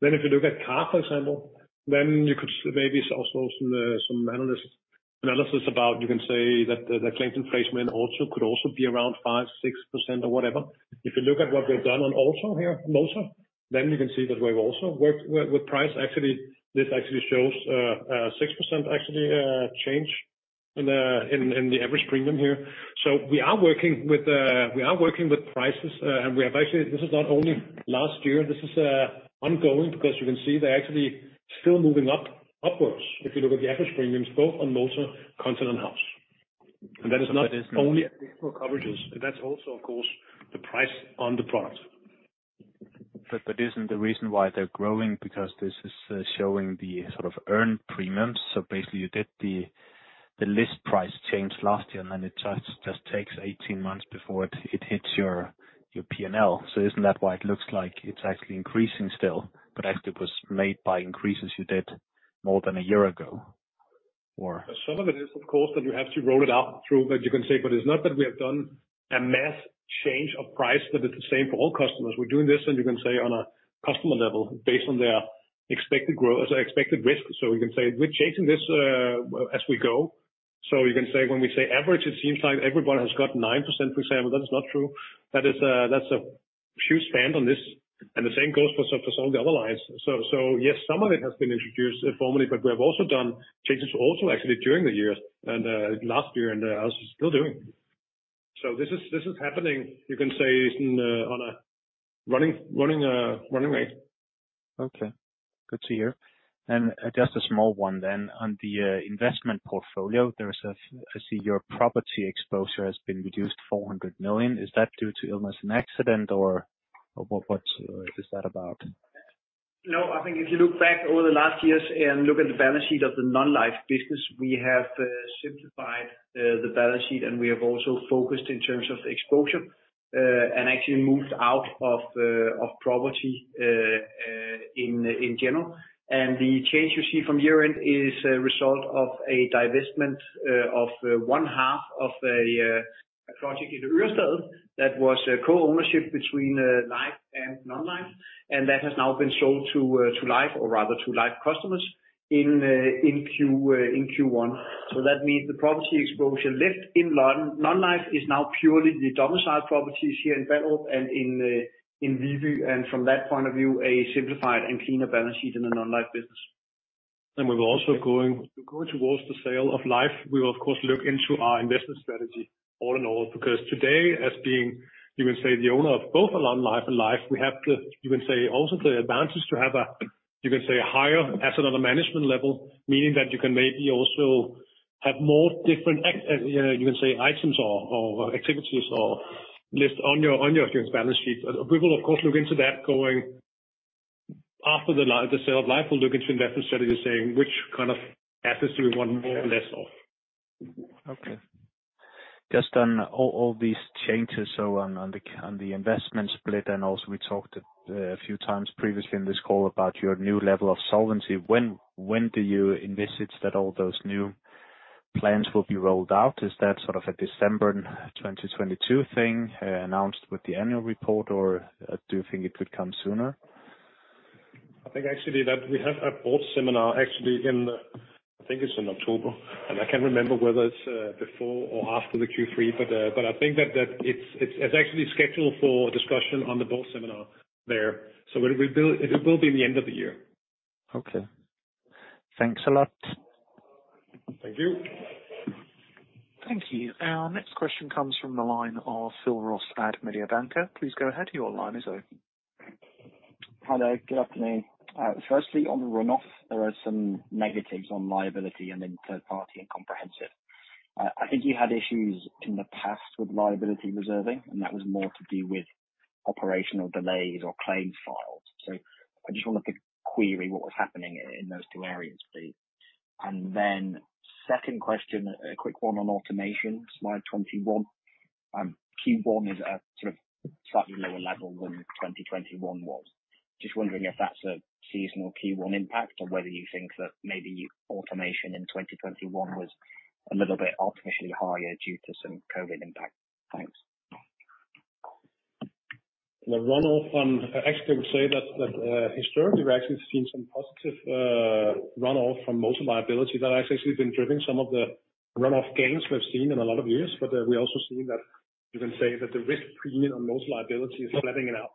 If you look at car, for example, you could maybe also some analysis about you can say that the claim replacement could also be around 5%-6% or whatever. If you look at what we've done on also here, motor, you can see that we've also worked with price. Actually, this shows 6% change in the average premium here. So we are working with prices. We have actually this is not only last year, this is ongoing, because you can see they're actually still moving upwards. If you look at the average premiums both on motor content and house. That is not only for coverages, that's also of course the price on the product. That isn't the reason why they're growing, because this is showing the sort of earned premiums. Basically you did the list price change last year, and then it just takes 18 months before it hits your P&L. Isn't that why it looks like it's actually increasing still, but actually was made by increases you did more than a year ago or? Some of it is of course that you have to roll it out through. You can say but it's not that we have done a mass change of price that is the same for all customers. We're doing this and you can say on a customer level based on their expected risk. We can say we're chasing this as we go. You can say when we say average, it seems like everyone has got 9%, for example. That is not true. That is, that's a huge span on this. The same goes for some of the other lines. Yes, some of it has been introduced formally, but we have also done changes also actually during the year and last year, and I was still doing. This is happening, you can say on a running way. Okay, good to hear. Just a small one then. On the investment portfolio, I see your property exposure has been reduced 400 million. Is that due to illness and accident or what is that about? No, I think if you look back over the last years and look at the balance sheet of the non-life business, we have simplified the balance sheet, and we have also focused in terms of exposure, and actually moved out of property in general. The change you see from year-end is a result of a divestment of one half of a project in Ørestad that was a co-ownership between life and non-life. That has now been sold to life or rather to life customers in Q1. That means the property exposure left in non-life is now purely the domiciled properties here in Ballerup and in Viby. From that point of view, a simplified and cleaner balance sheet in the non-life business. We're also going to go towards the sale of life. We of course look into our investment strategy all in all, because today as being, you can say the owner of both non-life and life, we have the, you can say also the advantage to have a, you can say, higher asset under management level, meaning that you can maybe also have more different as you know, you can say items or activities or list on your, on your balance sheet. We will of course look into that going after the sale of life. We'll look into investment strategy saying which kind of assets do we want more or less of. Okay. Just on all these changes, so on the investment split, and also we talked a few times previously in this call about your new level of solvency. When do you envisage that all those new plans will be rolled out? Is that sort of a December 2022 thing, announced with the annual report, or do you think it could come sooner? I think actually that we have a board seminar actually in, I think it's in October, and I can't remember whether it's before or after the Q3, but I think that it's actually scheduled for discussion on the board seminar there. It will be in the end of the year. Okay. Thanks a lot. Thank you. Thank you. Our next question comes from the line of Phil Ross at Mediobanca. Please go ahead, your line is open. Hello, good afternoon. Firstly, on the run off, there are some negatives on liability and then third party and comprehensive. I think you had issues in the past with liability reserving, and that was more to do with operational delays or claims filed. I just want to query what was happening in those two areas, please. Second question, a quick one on automation, slide 21. Q1 is at sort of slightly lower level than 2021 was. Just wondering if that's a seasonal Q1 impact or whether you think that maybe automation in 2021 was a little bit artificially higher due to some COVID impact. Thanks. I actually would say that historically, we're actually seeing some positive runoff from most liability that has actually been driven some of the runoff gains we've seen in a lot of years. We also seen that you can say that the risk premium on most liability is flattening out,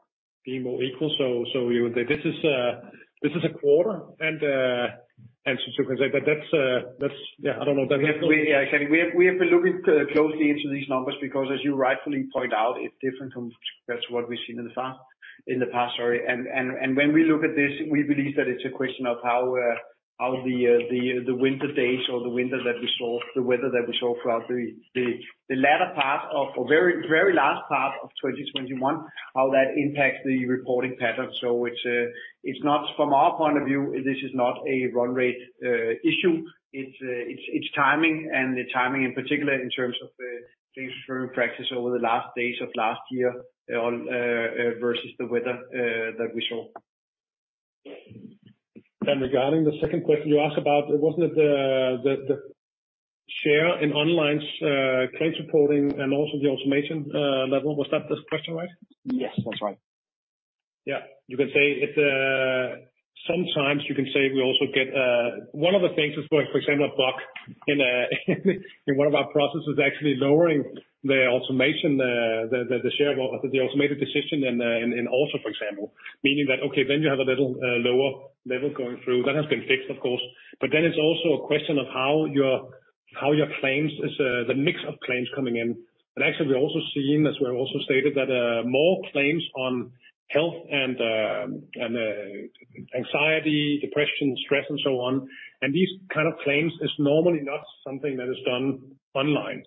being more equal. You would say this is a quarter, and so you can say but that's, yeah, I don't know if that makes sense. Actually, we have been looking closely into these numbers because as you rightfully point out, it's different from what we've seen in the past. Sorry. When we look at this, we believe that it's a question of how the winter days or the winter that we saw, the weather that we saw throughout the latter part of or very last part of 2021, how that impacts the reporting pattern. So, it's not from our point of view, this is not a run rate issue. It's timing and the timing in particular in terms of things from practice over the last days of last year versus the weather that we saw. Regarding the second question you asked about, wasn't it the share in online's claim supporting and also the automation level? Was that this question, right? Yes, that's right. Yeah. You can say it's sometimes we also get one of the things is, for example, a bug in one of our processes actually lowering the automation, the share of the automated decision in also, for example. Meaning that, okay, then you have a little lower level going through. That has been fixed, of course. Then it's also a question of how your claims is the mix of claims coming in. Actually we've also seen, as we have also stated that, more claims on health and anxiety, depression, stress and so on, and these kind of claims is normally not something that is done online.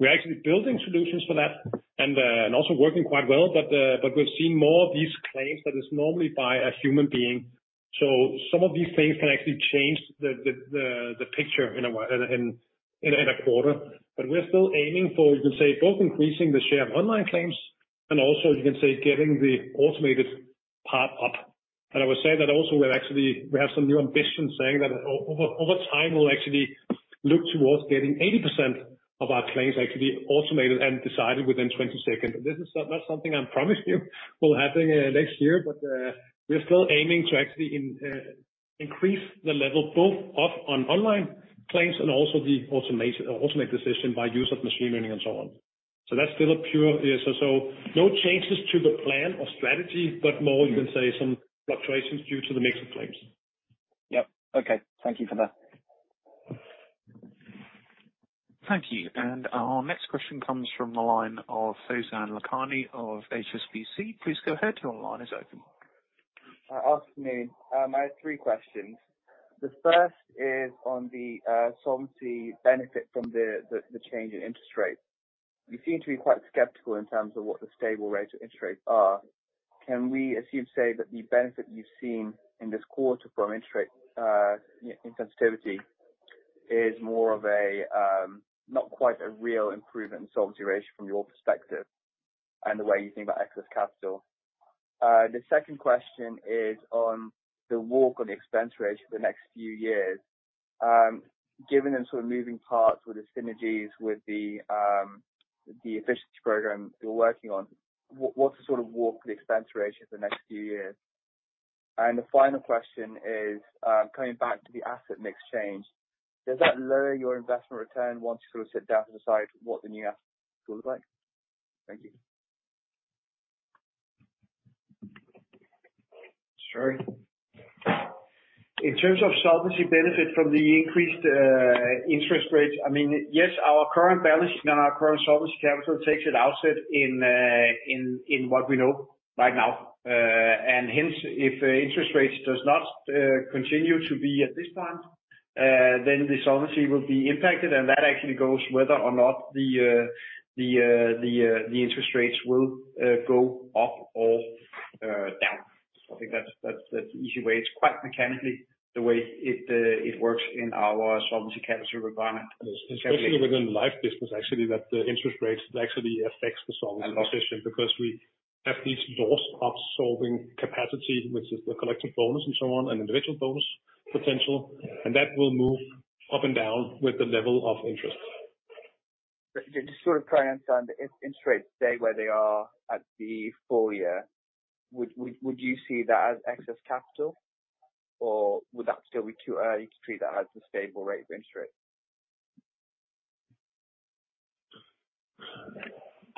We're actually building solutions for that and also working quite well. We've seen more of these claims that is normally by a human being. Some of these things can actually change the picture in a quarter. We're still aiming for, you can say, both increasing the share of online claims and also you can say getting the automated part up. I would say that also we actually have some new ambitions saying that over time, we'll actually look towards getting 80% of our claims actually automated and decided within 20 seconds. This is not something I promise you will happen next year. We're still aiming to actually increase the level both of online claims and also the automation of decision by use of machine learning and so on. That's still a pure [P&C]. No changes to the plan or strategy, but more, you can say some fluctuations due to the mix of claims. Yep. Okay. Thank you for that. Thank you. Our next question comes from the line of Faizan Lakhani of HSBC. Please go ahead. Your line is open. Afternoon. I have three questions. The first is on the solvency benefit from the change in interest rates. You seem to be quite skeptical in terms of what the stable rates of interest rates are. Can we assume, say that the benefit you've seen in this quarter from interest rate sensitivity is more of a not quite a real improvement in solvency ratio from your perspective and the way you think about excess capital? The second question is on the walk on the expense ratio for the next few years. Given the sort of moving parts with the synergies, with the efficiency program you're working on, what's the sort of walk for the expense ratio for the next few years? The final question is coming back to the asset mix change. Does that lower your investment return once you sort of sit down and decide what the new asset will look like? Thank you. Sorry. In terms of solvency benefit from the increased interest rates, I mean, yes, our current balance and our current solvency capital takes its outset in what we know right now. Hence, if interest rates does not continue to be at this point, then the solvency will be impacted. That actually goes whether or not the interest rates will go up or down. I think that's the easy way. It's quite mechanically the way it works in our Solvency Capital Requirement. Especially within the life business actually that the interest rates actually affects the solvency position, because we have these loss-absorbing capacity, which is the collective bonus and so on, and individual bonus potential, and that will move up and down with the level of interest. Just to sort of try and understand, if interest rates stay where they are at the full year, would you see that as excess capital or would that still be too early to treat that as a stable rate of interest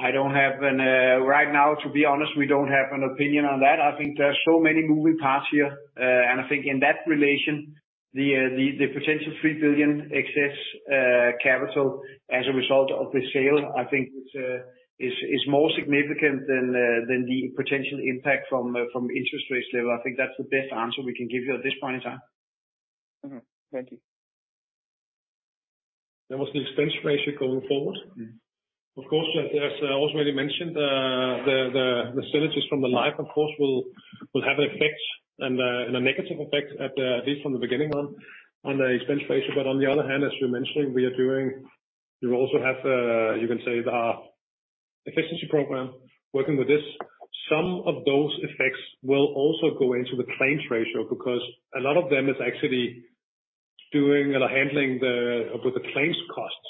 rate? Right now, to be honest, we don't have an opinion on that. I think there are so many moving parts here. I think in that relation, the potential 3 billion excess capital as a result of the sale, I think it is more significant than the potential impact from interest rates level. I think that's the best answer we can give you at this point in time. Mm-hmm. Thank you. There was the expense ratio going forward. Mm-hmm. Of course, as I already mentioned, the synergies from the life of course will have an effect and a negative effect at least from the beginning on the expense ratio. On the other hand, as you're mentioning, we also have, you can say, the efficiency program, working with this, some of those effects will also go into the claims ratio because a lot of them is actually doing or handling the claims costs.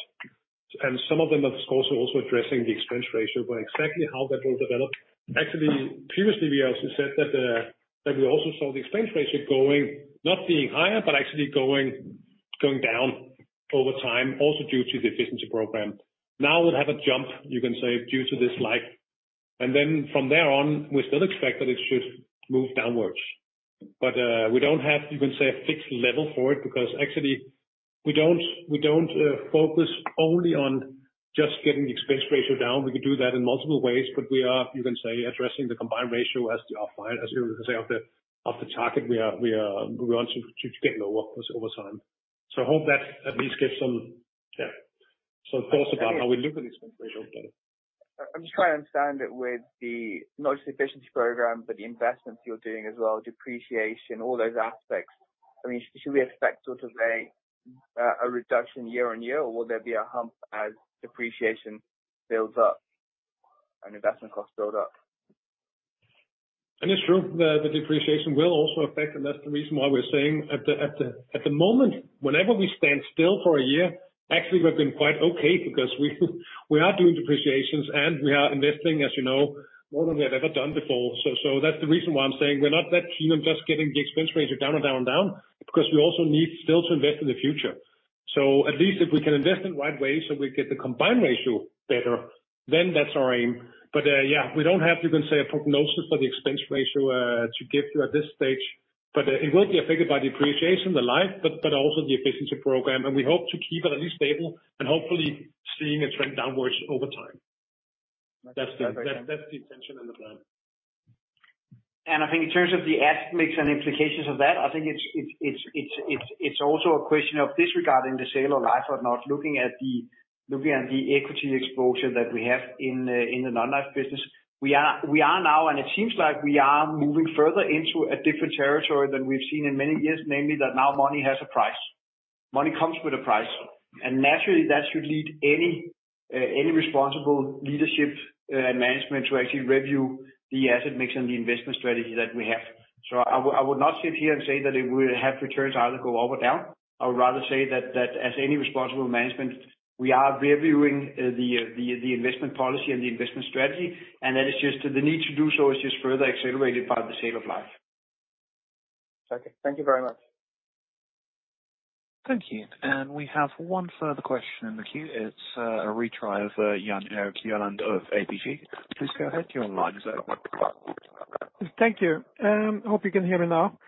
Some of them are also addressing the expense ratio, but exactly how that will develop. Actually, previously, we also said that we also saw the expense ratio going, not being higher, but actually going down over time, also due to the efficiency program. Now we'll have a jump, you can say, due to this Life. From there on, we still expect that it should move downwards. We don't have, you can say, a fixed level for it because actually we don't focus only on just getting the expense ratio down. We could do that in multiple ways, but we are, you can say, addressing the combined ratio as the overall, you can say, target we want to get lower over time. I hope that at least gives some, yeah, some thoughts about how we look at this situation. I'm just trying to understand it with the, not just efficiency program, but the investments you're doing as well, depreciation, all those aspects. I mean, should we expect sort of a reduction year-on-year, or will there be a hump as depreciation builds up and investment costs build up? It's true that the depreciation will also affect, and that's the reason why we're saying at the moment, whenever we stand still for a year, actually we've been quite okay because we are doing depreciations, and we are investing, as you know, more than we have ever done before. So that's the reason why I'm saying we're not that keen on just getting the expense ratio down and down and down, because we also need still to invest in the future. So at least if we can invest in right ways, so we get the combined ratio better, then that's our aim. But, yeah, we don't have, you can say, a prognosis for the expense ratio to give you at this stage. But it will be affected by depreciation, the Life, but also the efficiency program. We hope to keep it at least stable and hopefully seeing it trend downwards over time. That's the intention and the plan. I think in terms of the asset mix and implications of that, I think it's also a question of disregarding the sale of Life or not. Looking at the equity exposure that we have in the non-Life business. We are now, and it seems like we are moving further into a different territory than we've seen in many years. Namely, that now money has a price. Money comes with a price. Naturally, that should lead any responsible leadership management to actually review the asset mix and the investment strategy that we have. I would not sit here and say that it will have returns either go up or down. I would rather say that as any responsible management, we are reviewing the investment policy and the investment strategy. That is just the need to do so is just further accelerated by the sale of Life. Okay. Thank you very much. Thank you. We have one further question in the queue. It's a retry of Jan Erik Gjerland of ABG. Please go ahead. You're online, sir. Thank you. Hope you can hear me now.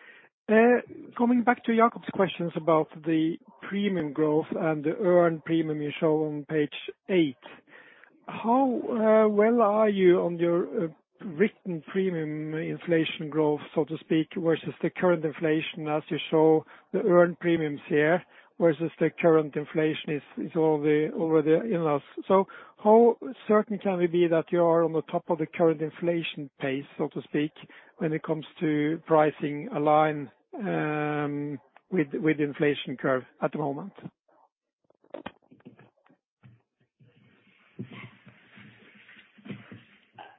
Coming back to Jakob's questions about the premium growth and the earned premium you show on page eight. How well are you on your written premium inflation growth, so to speak, versus the current inflation as you show the earned premiums here? How certain can we be that you are on the top of the current inflation pace, so to speak, when it comes to pricing aligned with inflation curve at the moment?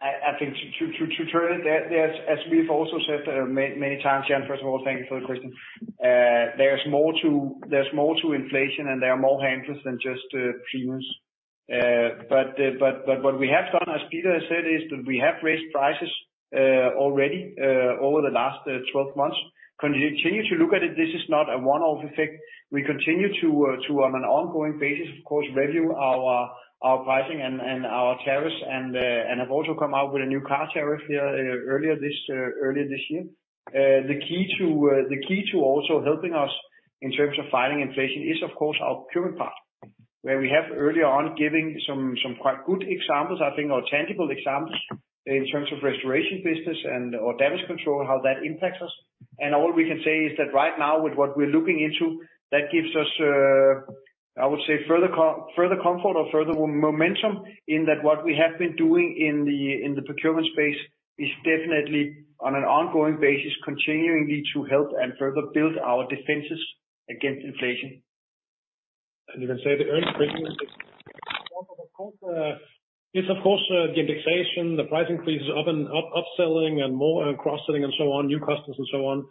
I think to turn it, as we've also said many times, Jan, first of all, thank you for the question. There's more to inflation, and there are more handles than just premiums. What we have done, as Peter has said, is that we have raised prices already over the last 12 months. Continue to look at it. This is not a one-off effect. We continue to, on an ongoing basis, of course, review our pricing and our tariffs and have also come out with a new car tariff here earlier this year. The key to also helping us in terms of fighting inflation is, of course, our procurement part, where we have earlier on given some quite good examples, I think, or tangible examples in terms of restoration business and or damage control, how that impacts us. All we can say is that right now, with what we're looking into, that gives us, I would say, further comfort or further momentum in that what we have been doing in the procurement space is definitely on an ongoing basis continuingly to help and further build our defenses against inflation. You can say the earned premium is, of course, the indexation, the price increases, up-selling and more cross-selling and so on, new customers and so on.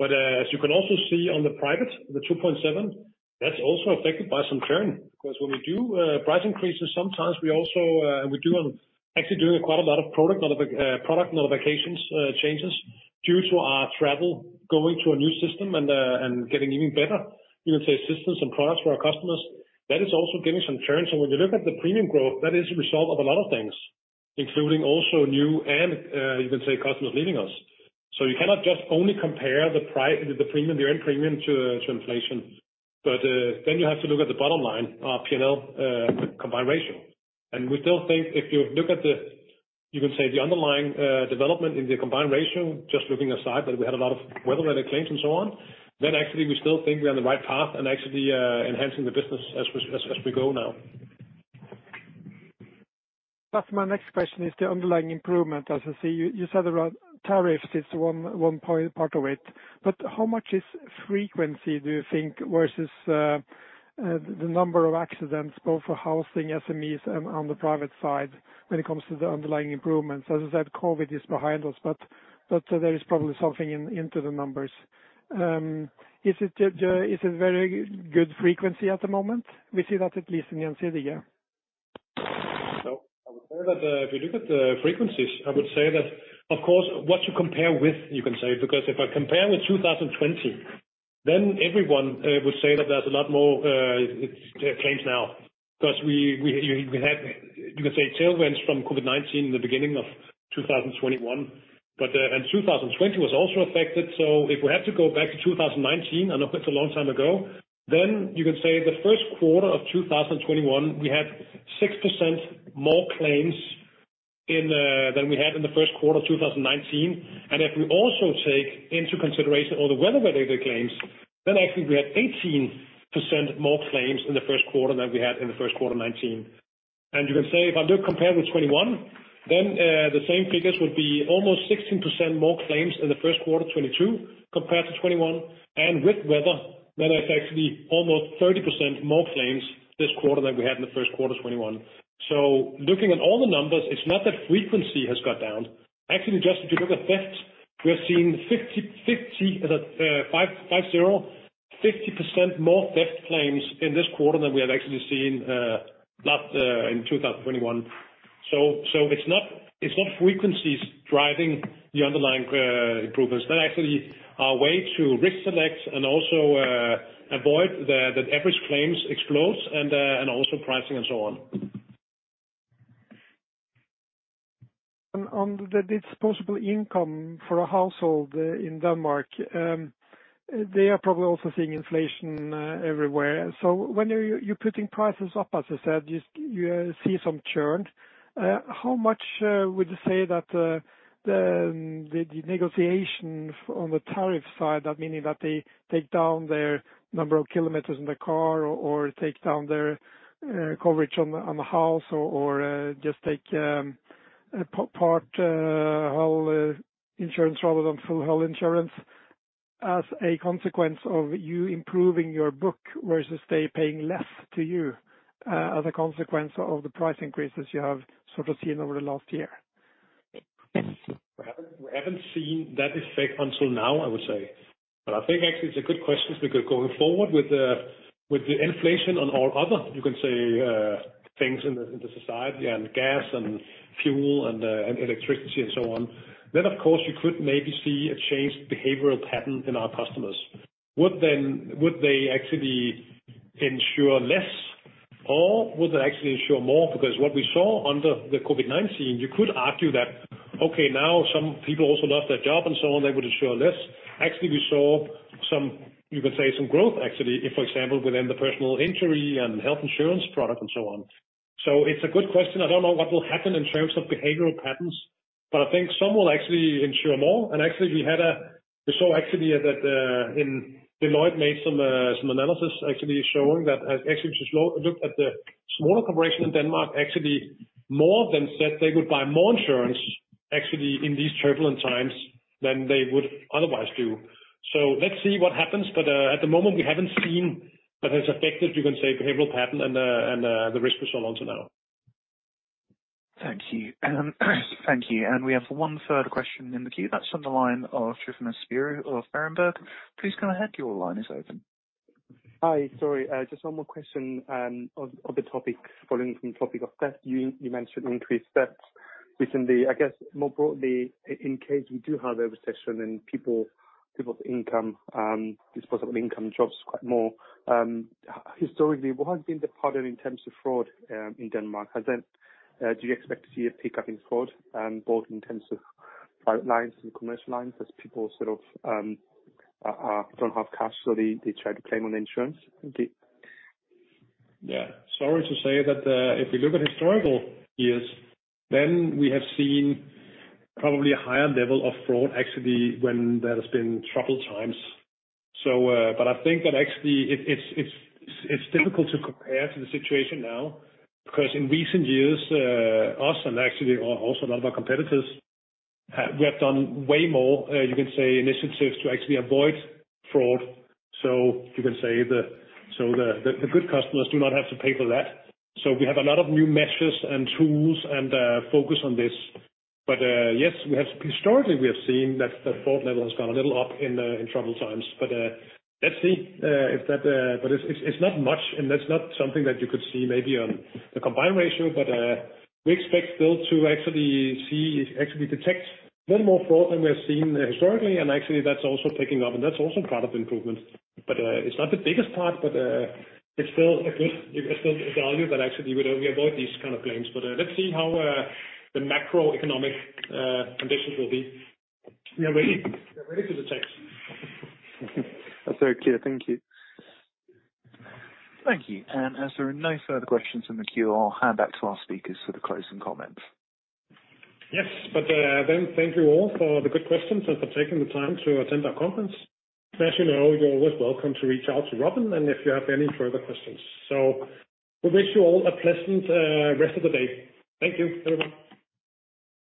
As you can also see on the private, the 2.7%, that's also affected by some churn, because when we do price increases, sometimes we also and we do actually doing quite a lot of product modifications, changes due to our travel going to a new system and getting even better, you can say systems and products for our customers. That is also giving some churn. When you look at the premium growth, that is a result of a lot of things, including also new and, you can say, customers leaving us. You cannot just only compare the premium, the earned premium to inflation. Then you have to look at the bottom line, our P&L, combined ratio. We still think if you look at the, you can say the underlying development in the combined ratio, just looking aside that we had a lot of weather-related claims and so on, then actually we still think we are on the right path and actually enhancing the business as we go now. That's my next question, is the underlying improvement. As I see, you said around tariffs is one point part of it, but how much is frequency, do you think, versus the number of accidents, both for housing, SMEs, and on the private side when it comes to the underlying improvements? As I said, COVID is behind us, but there is probably something in into the numbers. Is it just is it very good frequency at the moment? We see that at least in the end of the year. If you look at the frequencies, I would say that of course, what you compare with, you can say, because if I compare with 2020, then everyone would say that there's a lot more claims now. 'Cause we had, you could say, tailwinds from COVID-19 in the beginning of 2021. But and 2020 was also affected. If we had to go back to 2019, I know that's a long time ago, then you could say the first quarter of 2021, we had 6% more claims than we had in the first quarter of 2019. If we also take into consideration all the weather-related claims, then actually we had 18% more claims in the first quarter than we had in the first quarter of 2019. You can say, if I look compared with 2021, then the same figures would be almost 16% more claims in the first quarter of 2022 compared to 2021. With weather, then it's actually almost 30% more claims this quarter than we had in the first quarter of 2021. Looking at all the numbers, it's not that frequency has got down. Actually, just if you look at theft, we are seeing 50% more theft claims in this quarter than we have actually seen last in 2021. It's not frequencies driving the underlying improvements. They're actually our way to risk select and also, avoid the average claims explodes and also pricing and so on. On the disposable income for a household in Denmark, they are probably also seeing inflation everywhere. So when you're putting prices up, as you said, you see some churn. How much would you say that the negotiation on the tariff side, meaning that they take down their number of kilometers in the car or take down their coverage on the house or just take partial whole insurance rather than full whole insurance as a consequence of you improving your book versus they paying less to you as a consequence of the price increases you have sort of seen over the last year? We haven't seen that effect until now, I would say. I think actually it's a good question because going forward with the inflation on all other, you can say, things in the society and gas and fuel and electricity and so on, then of course you could maybe see a changed behavioral pattern in our customers. Would they actually insure less or would they actually insure more? Because what we saw under the COVID-19, you could argue that, okay, now some people also lost their job and so on, they would insure less. Actually, we saw some, you could say, some growth actually, if for example, within the personal injury and health insurance product and so on. It's a good question. I don't know what will happen in terms of behavioral patterns, but I think some will actually insure more. Actually, we saw actually that Deloitte made some analysis actually showing that has actually to look at the smaller corporation in Denmark, actually, more of them said they would buy more insurance actually in these turbulent times than they would otherwise do. Let's see what happens. At the moment, we haven't seen that has affected, you can say, behavioral pattern and the risk we hold onto now. Thank you. Thank you. We have one further question in the queue. That's on the line of Tryfonas Spyrou of Berenberg. Please go ahead. Your line is open. Hi. Sorry, just one more question, on the topic, following from the topic of theft. You mentioned increased theft, I guess more broadly in case we do have a recession and people's disposable income drops quite more. Historically, what has been the pattern in terms of fraud in Denmark? Do you expect to see a pickup in fraud, both in terms of private lines and commercial lines as people sort of don't have cash, so they try to claim on insurance? Yeah. Sorry to say that, if you look at historical years, then we have seen probably a higher level of fraud actually when there has been troubled times. I think that actually it's difficult to compare to the situation now, because in recent years, us and actually also a lot of our competitors, we have done way more, you can say, initiatives to actually avoid fraud. You can say the good customers do not have to pay for that. We have a lot of new measures and tools and focus on this. Yes, historically, we have seen that the fraud level has gone a little up in troubled times. It's not much, and that's not something that you could see maybe on the combined ratio. We expect still to actually see, actually detect little more fraud than we have seen historically. Actually that's also picking up, and that's also part of the improvement. It's not the biggest part, but it's still a value that actually we avoid these kind of claims. Let's see how the macroeconomic conditions will be. We are ready for the test. That's very clear. Thank you. Thank you. As there are no further questions in the queue, I'll hand back to our speakers for the closing comments. Yes. Thank you all for the good questions and for taking the time to attend our conference. As you know, you're always welcome to reach out to Robin, and if you have any further questions. We wish you all a pleasant rest of the day. Thank you, everyone.